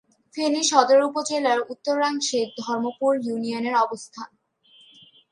ফেনী সদর উপজেলার উত্তরাংশে ধর্মপুর ইউনিয়নের অবস্থান।